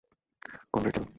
Conrad, চলো।